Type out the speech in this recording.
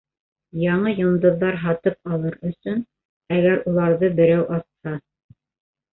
Яңы йондоҙҙар һатып алыр өсөн, әгәр уларҙы берәү асһа.